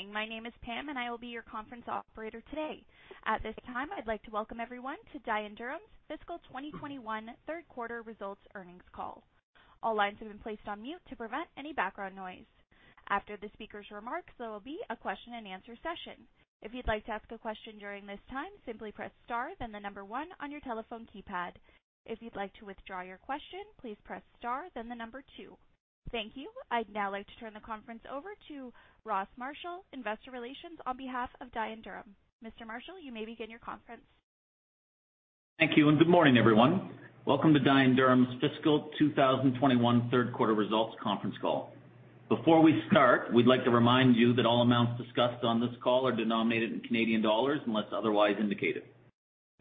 Good morning. My name is Pam, and I will be your conference operator today. At this time, I'd like to welcome everyone to Dye & Durham's fiscal 2021 third quarter results earnings call. All lines have been placed on mute to prevent any background noise. After the speaker's remarks, there will be a question and answer session. If you'd like to ask a question during this time, simply press star, then the number one on your telephone keypad. If you'd like to withdraw your question, please press star, then the number two. Thank you. I'd now like to turn the conference over to Ross Marshall, Investor Relations, on behalf of Dye & Durham. Mr. Marshall, you may begin your conference. Thank you, and good morning, everyone. Welcome to Dye & Durham's fiscal 2021 third quarter results conference call. Before we start, we'd like to remind you that all amounts discussed on this call are denominated in Canadian dollars unless otherwise indicated.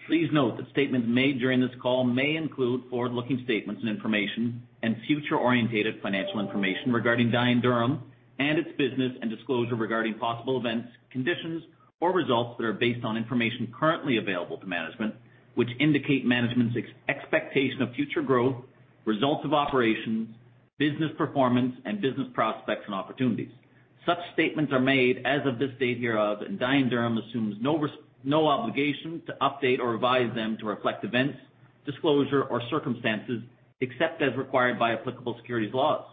Please note that statements made during this call may include forward-looking statements and information and future-orientated financial information regarding Dye & Durham and its business, and disclosure regarding possible events, conditions, or results that are based on information currently available to management, which indicate management's expectation of future growth, results of operations, business performance, and business prospects and opportunities. Such statements are made as of this date hereof, and Dye & Durham assumes no obligation to update or revise them to reflect events, disclosure, or circumstances except as required by applicable securities laws.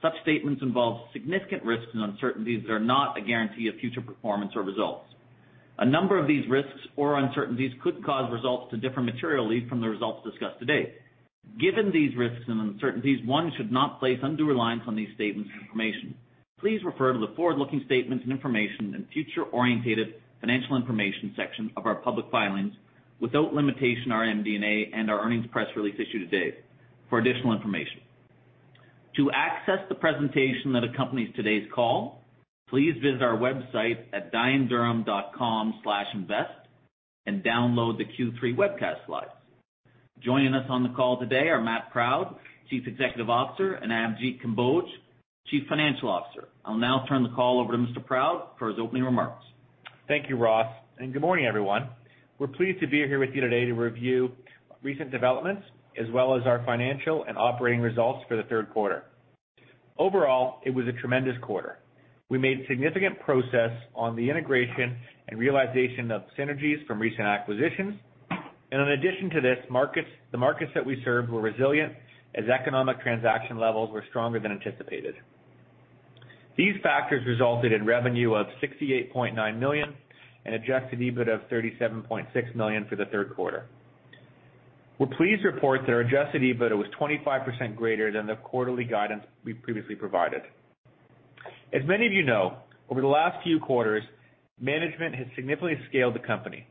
Such statements involve significant risks and uncertainties that are not a guarantee of future performance or results. A number of these risks or uncertainties could cause results to differ materially from the results discussed today. Given these risks and uncertainties, one should not place undue reliance on these statements and information. Please refer to the forward-looking statements and information and future-orientated financial information section of our public filings without limitation our MD&A and our earnings press release issued today for additional information. To access the presentation that accompanies today's call, please visit our website at dyeanddurham.com/invest and download the Q3 webcast slides. Joining us on the call today are Matt Proud, Chief Executive Officer, and Avjit Kamboj, Chief Financial Officer. I'll now turn the call over to Mr. Proud for his opening remarks. Thank you, Ross, and good morning, everyone. We're pleased to be here with you today to review recent developments as well as our financial and operating results for the third quarter. Overall, it was a tremendous quarter. We made significant progress on the integration and realization of synergies from recent acquisitions, and in addition to this, the markets that we served were resilient as economic transaction levels were stronger than anticipated. These factors resulted in revenue of 68.9 million and adjusted EBITDA of 37.6 million for the third quarter. We're pleased to report that our adjusted EBITDA was 25% greater than the quarterly guidance we previously provided. As many of you know, over the last few quarters, management has significantly scaled the company.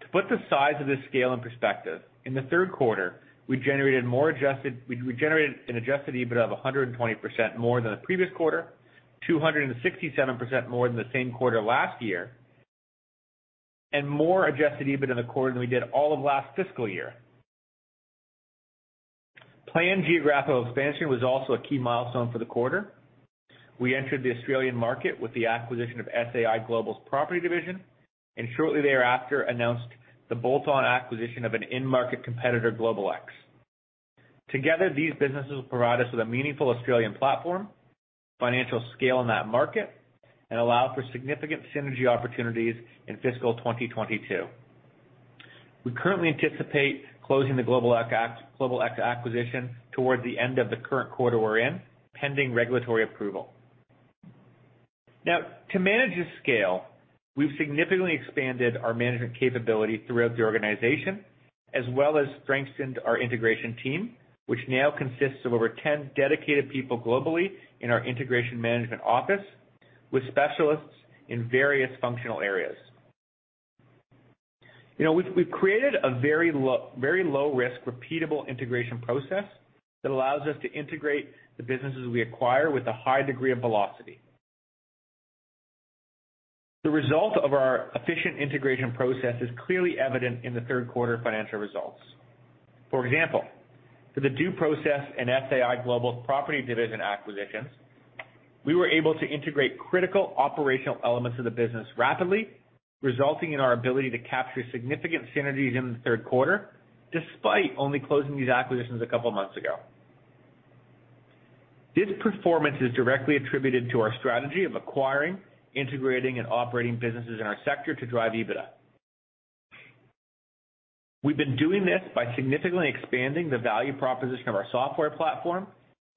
To put the size of this scale in perspective, in the third quarter, we generated an adjusted EBITDA of 120% more than the previous quarter, 267% more than the same quarter last year, and more adjusted EBITDA in the quarter than we did all of last fiscal year. Planned geographical expansion was also a key milestone for the quarter. We entered the Australian market with the acquisition of SAI Global's property division, and shortly thereafter announced the bolt-on acquisition of an in-market competitor, GlobalX. Together, these businesses will provide us with a meaningful Australian platform, financial scale in that market, and allow for significant synergy opportunities in fiscal 2022. We currently anticipate closing the GlobalX acquisition towards the end of the current quarter we're in, pending regulatory approval. Now, to manage this scale, we've significantly expanded our management capability throughout the organization as well as strengthened our integration team, which now consists of over 10 dedicated people globally in our integration management office with specialists in various functional areas. We've created a very low-risk, repeatable integration process that allows us to integrate the businesses we acquire with a high degree of velocity. The result of our efficient integration process is clearly evident in the third quarter financial results. For example, for the DoProcess and SAI Global's property division acquisitions, we were able to integrate critical operational elements of the business rapidly, resulting in our ability to capture significant synergies in the third quarter despite only closing these acquisitions a couple of months ago. This performance is directly attributed to our strategy of acquiring, integrating, and operating businesses in our sector to drive EBITDA. We've been doing this by significantly expanding the value proposition of our software platform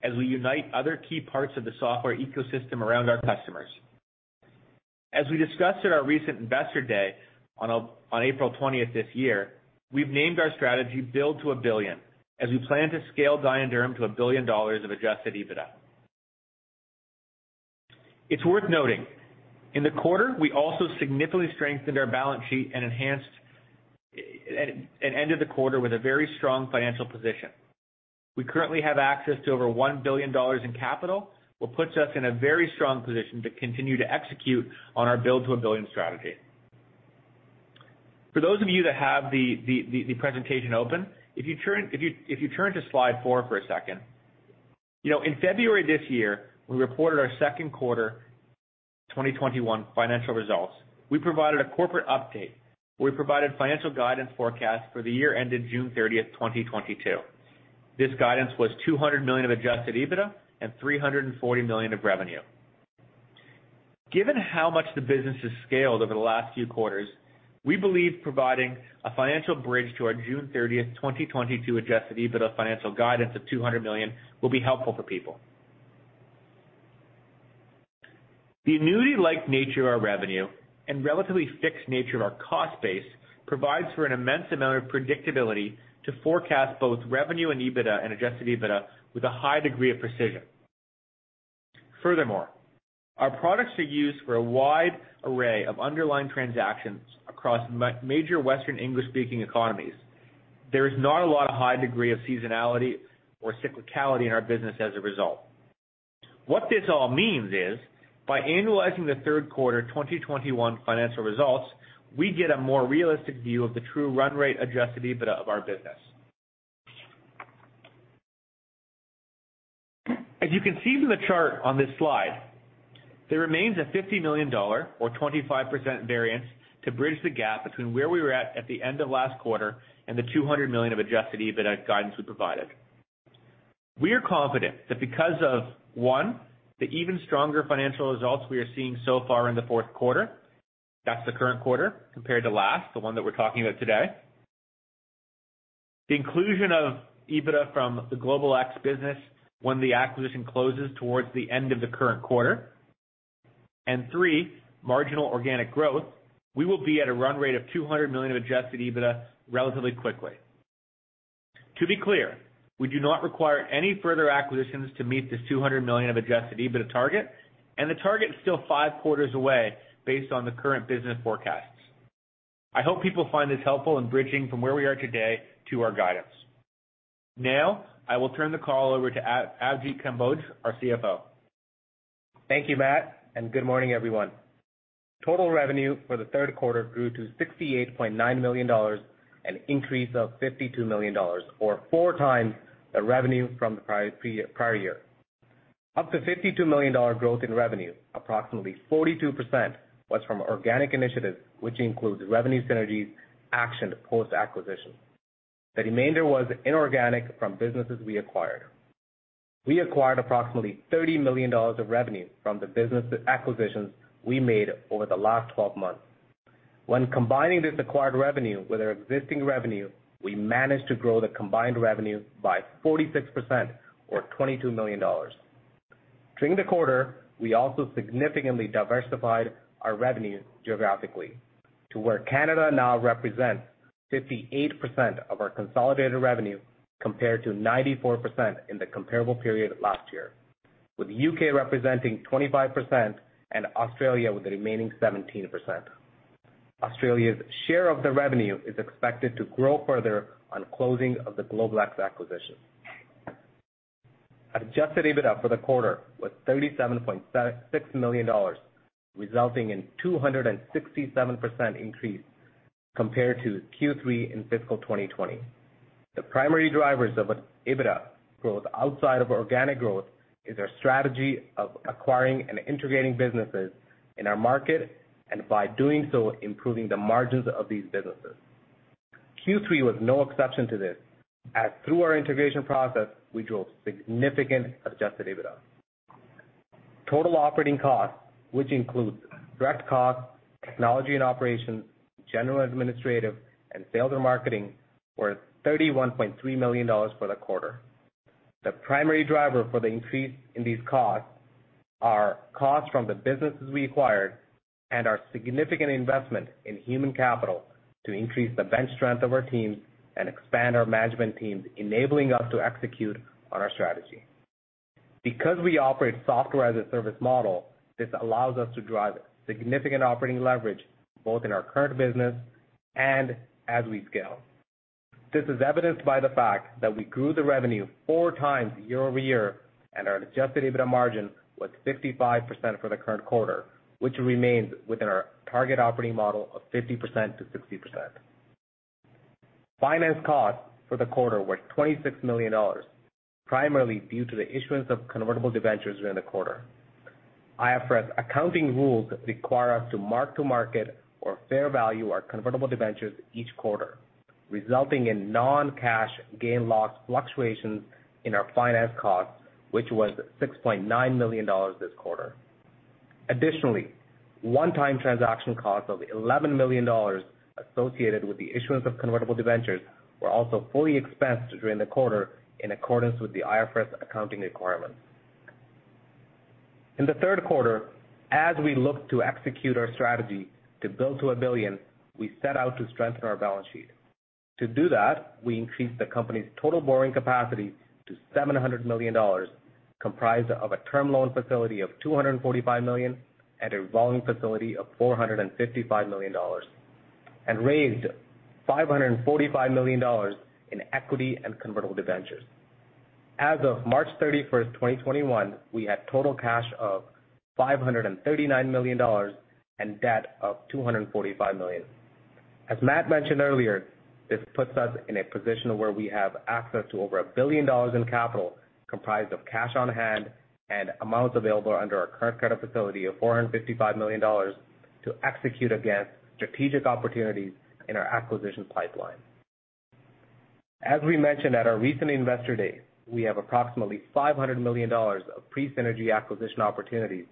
as we unite other key parts of the software ecosystem around our customers. As we discussed at our recent investor day on April 20th this year, we've named our strategy Build to a Billion as we plan to scale Dye & Durham to a billion dollars of adjusted EBITDA. It's worth noting, in the quarter, we also significantly strengthened our balance sheet and ended the quarter with a very strong financial position. We currently have access to over 1 billion dollars in capital, which puts us in a very strong position to continue to execute on our Build to a Billion strategy. For those of you that have the presentation open, if you turn to slide four for a second, in February this year, we reported our second quarter 2021 financial results. We provided a corporate update where we provided financial guidance forecasts for the year ended June 30, 2022. This guidance was 200 million of adjusted EBITDA and 340 million of revenue. Given how much the business has scaled over the last few quarters, we believe providing a financial bridge to our June 30, 2022 adjusted EBITDA financial guidance of 200 million will be helpful for people. The annuity-like nature of our revenue and relatively fixed nature of our cost base provides for an immense amount of predictability to forecast both revenue and adjusted EBITDA with a high degree of precision. Furthermore, our products are used for a wide array of underlying transactions across major Western English-speaking economies. There is not a lot of high degree of seasonality or cyclicality in our business as a result. What this all means is, by annualizing the third quarter 2021 financial results, we get a more realistic view of the true run rate adjusted EBITDA of our business. As you can see from the chart on this slide, there remains a 50 million dollar, or 25% variance, to bridge the gap between where we were at at the end of last quarter and the 200 million of adjusted EBITDA guidance we provided. We are confident that because of, one, the even stronger financial results we are seeing so far in the fourth quarter—that is the current quarter compared to last, the one that we are talking about today—the inclusion of EBITDA from the GlobalX business when the acquisition closes towards the end of the current quarter, and three, marginal organic growth, we will be at a run rate of 200 million of adjusted EBITDA relatively quickly. To be clear, we do not require any further acquisitions to meet this $200 million of adjusted EBITDA target, and the target is still five quarters away based on the current business forecasts. I hope people find this helpful in bridging from where we are today to our guidance. Now, I will turn the call over to Avjit Kamboj, our CFO. Thank you, Matt, and good morning, everyone. Total revenue for the third quarter grew to 68.9 million dollars and an increase of 52 million dollars, or four times the revenue from the prior year. Up to 52 million dollar growth in revenue, approximately 42%, was from organic initiatives, which includes revenue synergies actioned post-acquisition. The remainder was inorganic from businesses we acquired. We acquired approximately 30 million dollars of revenue from the business acquisitions we made over the last 12 months. When combining this acquired revenue with our existing revenue, we managed to grow the combined revenue by 46%, or 22 million dollars. During the quarter, we also significantly diversified our revenue geographically to where Canada now represents 58% of our consolidated revenue compared to 94% in the comparable period last year, with the U.K. representing 25% and Australia with the remaining 17%. Australia's share of the revenue is expected to grow further on closing of the GlobalX acquisition. Adjusted EBITDA for the quarter was 37.6 million dollars, resulting in a 267% increase compared to Q3 in fiscal 2020. The primary drivers of EBITDA growth outside of organic growth are our strategy of acquiring and integrating businesses in our market, and by doing so, improving the margins of these businesses. Q3 was no exception to this, as through our integration process, we drove significant adjusted EBITDA. Total operating costs, which include direct costs, technology and operations, general administrative, and sales and marketing, were 31.3 million dollars for the quarter. The primary driver for the increase in these costs is costs from the businesses we acquired and our significant investment in human capital to increase the bench strength of our teams and expand our management teams, enabling us to execute on our strategy. Because we operate software as a service model, this allows us to drive significant operating leverage both in our current business and as we scale. This is evidenced by the fact that we grew the revenue four times year over year and our adjusted EBITDA margin was 55% for the current quarter, which remains within our target operating model of 50%-60%. Finance costs for the quarter were 26 million dollars, primarily due to the issuance of convertible debentures during the quarter. IFRS accounting rules require us to mark to market or fair value our convertible debentures each quarter, resulting in non-cash gain/loss fluctuations in our finance costs, which was 6.9 million dollars this quarter. Additionally, one-time transaction costs of 11 million dollars associated with the issuance of convertible debentures were also fully expensed during the quarter in accordance with the IFRS accounting requirements. In the third quarter, as we looked to execute our strategy to Build to a Billion, we set out to strengthen our balance sheet. To do that, we increased the company's total borrowing capacity to 700 million dollars, comprised of a term loan facility of 245 million and a revolving facility of 455 million dollars, and raised 545 million dollars in equity and convertible debentures. As of March 31, 2021, we had total cash of 539 million dollars and debt of 245 million. As Matt mentioned earlier, this puts us in a position where we have access to over a billion dollars in capital, comprised of cash on hand and amounts available under our current credit facility of 455 million dollars to execute against strategic opportunities in our acquisition pipeline. As we mentioned at our recent investor day, we have approximately 500 million dollars of pre-synergy acquisition opportunities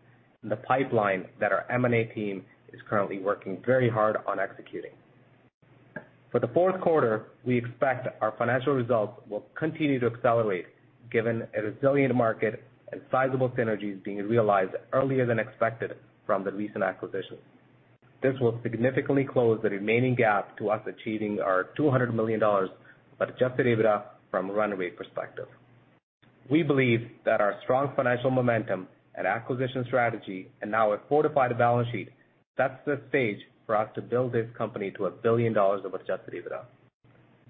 in the pipeline that our M&A team is currently working very hard on executing. For the fourth quarter, we expect our financial results will continue to accelerate given a resilient market and sizable synergies being realized earlier than expected from the recent acquisitions. This will significantly close the remaining gap to us achieving our 200 million dollars of adjusted EBITDA from a run rate perspective. We believe that our strong financial momentum and acquisition strategy and now a fortified balance sheet sets the stage for us to build this company to a billion dollars of adjusted EBITDA.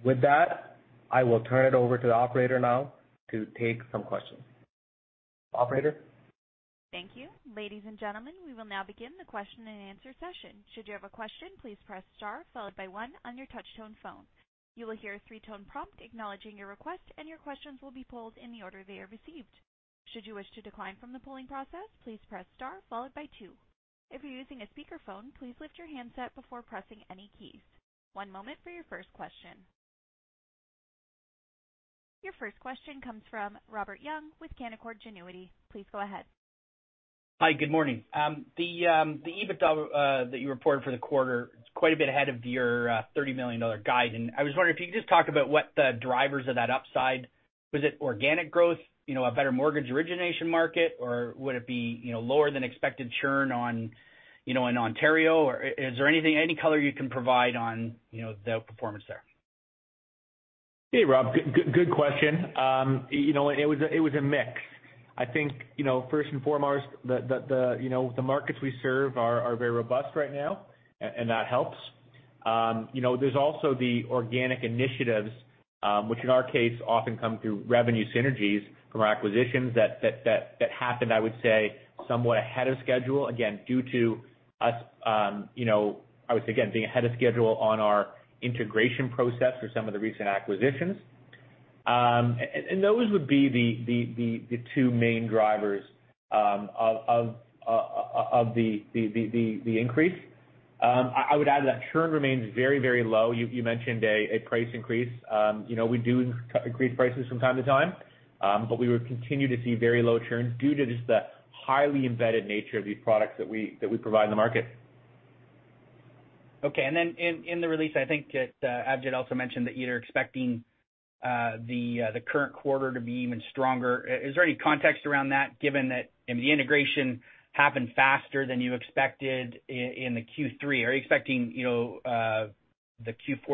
With that, I will turn it over to the operator now to take some questions. Operator. Thank you. Ladies and gentlemen, we will now begin the question and answer session. Should you have a question, please press star followed by one on your touchtone-phone. You will hear a three-tone prompt acknowledging your request, and your questions will be pulled in the order they are received. Should you wish to decline from the polling process, please press star followed by two. If you're using a speakerphone, please lift your handset before pressing any keys. One moment for your first question. Your first question comes from Robert Young with Canaccord Genuity. Please go ahead. Hi, good morning. The EBITDA that you reported for the quarter is quite a bit ahead of your $30 million guide. I was wondering if you could just talk about what the drivers of that upside are. Was it organic growth, a better mortgage origination market, or would it be lower than expected churn in Ontario? Is there any color you can provide on the performance there? Hey, Rob. Good question. It was a mix. I think, first and foremost, the markets we serve are very robust right now, and that helps. There's also the organic initiatives, which in our case often come through revenue synergies from our acquisitions that happened, I would say, somewhat ahead of schedule, again, due to us, I would say, again, being ahead of schedule on our integration process for some of the recent acquisitions. Those would be the two main drivers of the increase. I would add that churn remains very, very low. You mentioned a price increase. We do increase prices from time to time, but we would continue to see very low churn due to just the highly embedded nature of these products that we provide in the market. Okay. In the release, I think that Avjit also mentioned that you're expecting the current quarter to be even stronger. Is there any context around that, given that the integration happened faster than you expected in Q3? Are you expecting Q4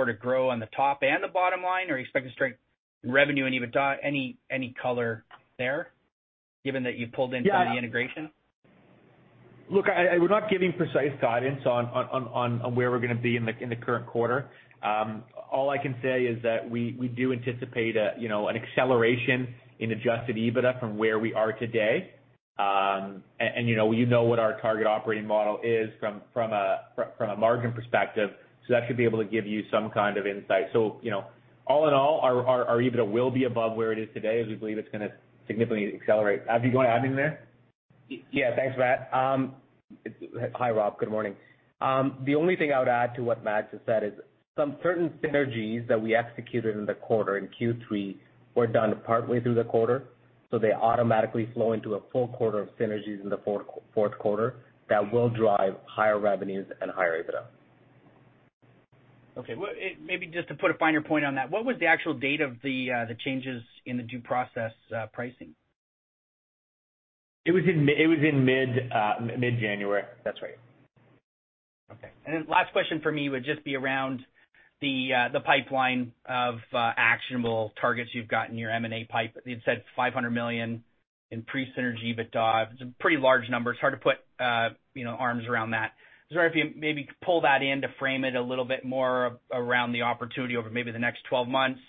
to grow on the top and the bottom line? Are you expecting strength in revenue and EBITDA? Any color there, given that you pulled in some of the integration? Yeah. Look, I will not give you precise guidance on where we're going to be in the current quarter. All I can say is that we do anticipate an acceleration in adjusted EBITDA from where we are today. You know what our target operating model is from a margin perspective, so that should be able to give you some kind of insight. All in all, our EBITDA will be above where it is today, as we believe it's going to significantly accelerate. Have you got anything there? Yeah. Thanks, Matt. Hi, Rob. Good morning. The only thing I would add to what Matt just said is some certain synergies that we executed in the quarter in Q3 were done partway through the quarter, so they automatically flow into a full quarter of synergies in the fourth quarter that will drive higher revenues and higher EBITDA. Okay. Maybe just to put a finer point on that, what was the actual date of the changes in the DoProcess pricing? It was in mid-January. That's right. Okay. The last question for me would just be around the pipeline of actionable targets you've got in your M&A pipe. You'd said $500 million in pre-synergy EBITDA. It's a pretty large number. It's hard to put arms around that. I was wondering if you could maybe pull that in to frame it a little bit more around the opportunity over maybe the next 12 months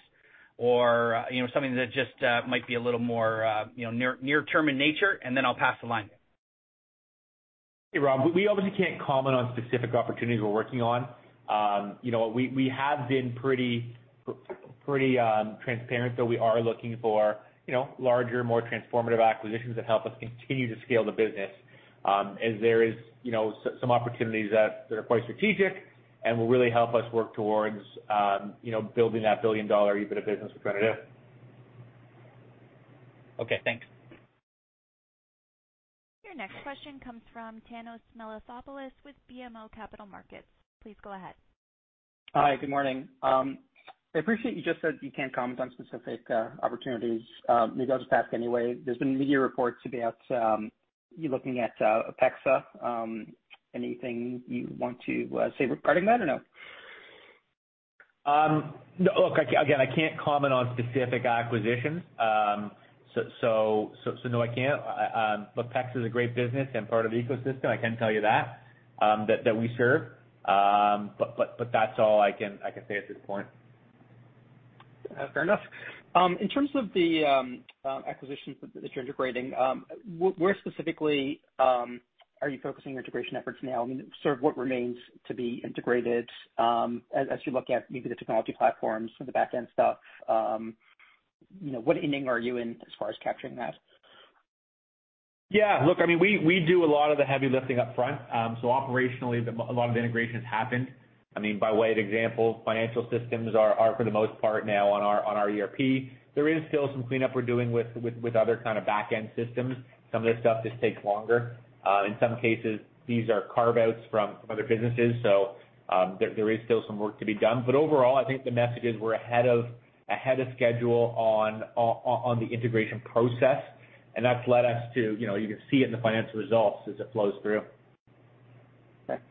or something that just might be a little more near-term in nature, and then I'll pass the line. Hey, Rob. We obviously can't comment on specific opportunities we're working on. We have been pretty transparent that we are looking for larger, more transformative acquisitions that help us continue to scale the business, as there are some opportunities that are quite strategic and will really help us work towards building that billion-dollar EBITDA business we're trying to do. Okay. Thanks. Your next question comes from Thanos Moschopoulos with BMO Capital Markets. Please go ahead. Hi. Good morning. I appreciate you just said you can't comment on specific opportunities. Maybe I'll just ask anyway. There's been media reports about you looking at APEXA. Anything you want to say regarding that or no? Look, again, I can't comment on specific acquisitions. No, I can't. APEXA is a great business and part of the ecosystem. I can tell you that, that we serve. That's all I can say at this point. Fair enough. In terms of the acquisitions that you're integrating, where specifically are you focusing your integration efforts now? Sort of what remains to be integrated as you look at maybe the technology platforms for the back-end stuff? What ending are you in as far as capturing that? Yeah. Look, I mean, we do a lot of the heavy lifting upfront. So operationally, a lot of the integration has happened. I mean, by way of example, financial systems are, for the most part, now on our ERP. There is still some cleanup we're doing with other kind of back-end systems. Some of this stuff just takes longer. In some cases, these are carve-outs from other businesses, so there is still some work to be done. Overall, I think the message is we're ahead of schedule on the integration process, and that's led us to you can see it in the financial results as it flows through. Okay.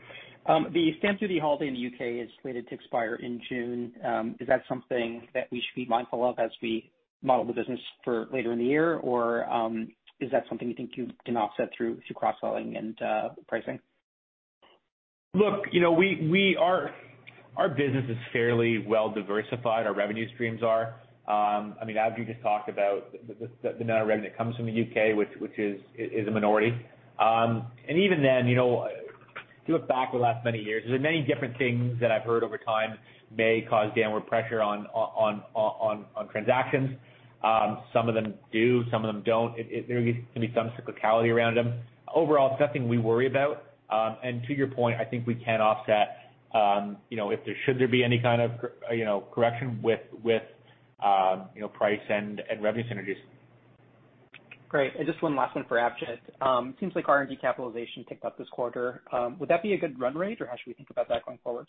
The stamp duty holiday in the U.K. is slated to expire in June. Is that something that we should be mindful of as we model the business for later in the year, or is that something you think you can offset through cross-selling and pricing? Look, our business is fairly well diversified. Our revenue streams are. I mean, as you just talked about, the amount of revenue that comes from the U.K., which is a minority. Even then, if you look back over the last many years, there are many different things that I've heard over time may cause downward pressure on transactions. Some of them do. Some of them do not. There can be some cyclicality around them. Overall, it is nothing we worry about. To your point, I think we can offset if there should be any kind of correction with price and revenue synergies. Great. Just one last one for Avjit. It seems like R&D capitalization picked up this quarter. Would that be a good run rate, or how should we think about that going forward?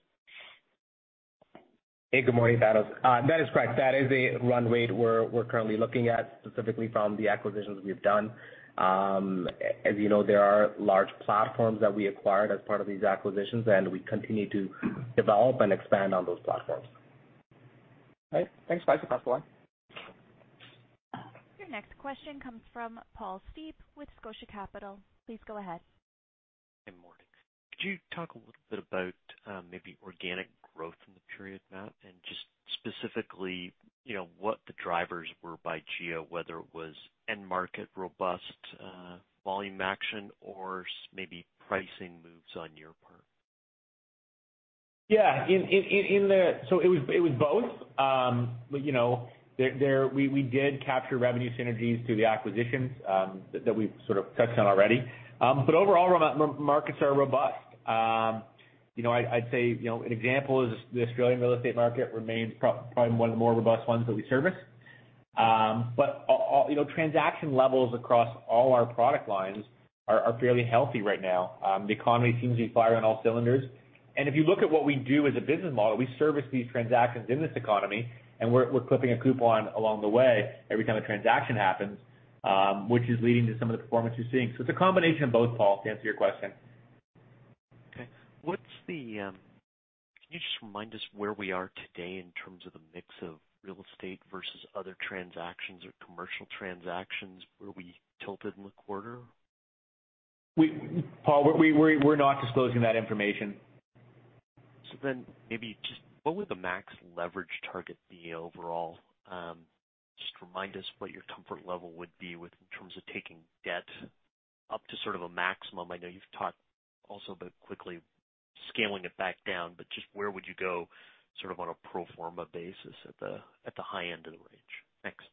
Hey, good morning, Thanos. That is correct. That is the run rate we're currently looking at, specifically from the acquisitions we've done. As you know, there are large platforms that we acquired as part of these acquisitions, and we continue to develop and expand on those platforms. All right. Thanks, guys. You pass the line. Your next question comes from Paul Steep with Scotia Capital. Please go ahead. Hey, Matt. Could you talk a little bit about maybe organic growth in the period, Matt, and just specifically what the drivers were by GEO, whether it was end-market robust volume action or maybe pricing moves on your part? Yeah. It was both. We did capture revenue synergies through the acquisitions that we've sort of touched on already. Overall, markets are robust. I'd say an example is the Australian real estate market remains probably one of the more robust ones that we service. Transaction levels across all our product lines are fairly healthy right now. The economy seems to be firing on all cylinders. If you look at what we do as a business model, we service these transactions in this economy, and we're clipping a coupon along the way every time a transaction happens, which is leading to some of the performance we're seeing. It is a combination of both, Paul, to answer your question. Okay. Can you just remind us where we are today in terms of the mix of real estate versus other transactions or commercial transactions where we tilted in the quarter? Paul, we're not disclosing that information. Maybe just what would the max leverage target be overall? Just remind us what your comfort level would be in terms of taking debt up to sort of a maximum. I know you've talked also about quickly scaling it back down, but just where would you go sort of on a pro forma basis at the high end of the range? Next.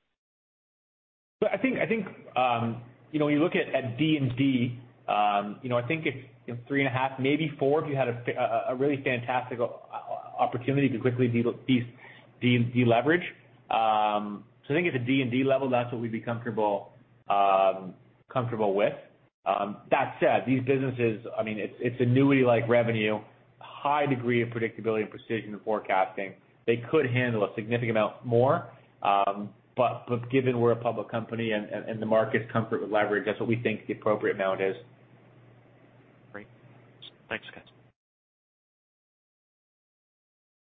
I think when you look at D&D, I think if three and a half, maybe four, if you had a really fantastic opportunity to quickly deleverage. I think at the D&D level, that's what we'd be comfortable with. That said, these businesses, I mean, it's annuity-like revenue, high degree of predictability and precision and forecasting. They could handle a significant amount more. Given we're a public company and the market's comfort with leverage, that's what we think the appropriate amount is. Great. Thanks, guys.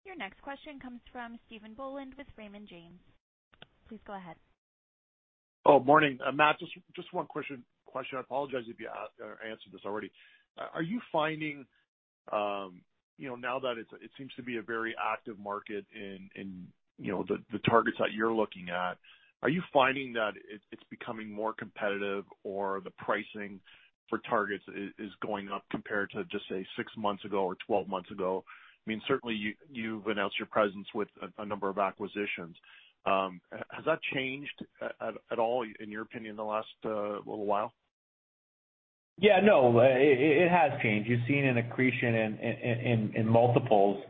Your next question comes from Stephen Boland with Raymond James. Please go ahead. Oh, morning. Matt, just one question. I apologize if you answered this already. Are you finding, now that it seems to be a very active market in the targets that you're looking at, are you finding that it's becoming more competitive or the pricing for targets is going up compared to, just say, six months ago or 12 months ago? I mean, certainly, you've announced your presence with a number of acquisitions. Has that changed at all, in your opinion, in the last little while? Yeah. No, it has changed. You've seen an accretion in multiples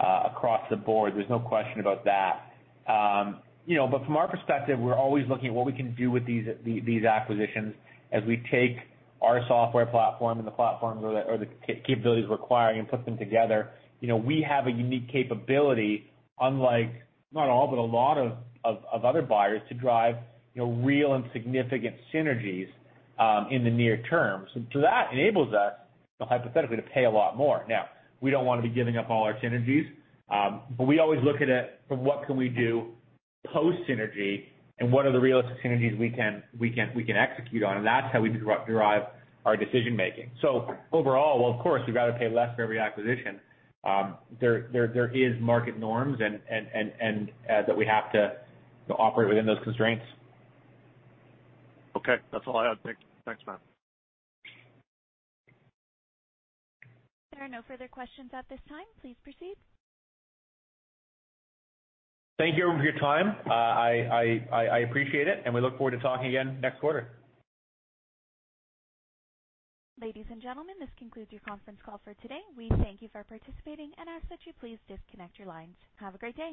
across the board. There's no question about that. From our perspective, we're always looking at what we can do with these acquisitions as we take our software platform and the platforms or the capabilities required and put them together. We have a unique capability, unlike not all, but a lot of other buyers, to drive real and significant synergies in the near term. That enables us, hypothetically, to pay a lot more. Now, we don't want to be giving up all our synergies, but we always look at it from what can we do post-synergy and what are the realistic synergies we can execute on. That's how we derive our decision-making. Overall, of course, we've got to pay less for every acquisition. There are market norms that we have to operate within those constraints. Okay. That's all I had. Thanks, Matt. There are no further questions at this time. Please proceed. Thank you everyone for your time. I appreciate it, and we look forward to talking again next quarter. Ladies and gentlemen, this concludes your conference call for today. We thank you for participating and ask that you please disconnect your lines. Have a great day.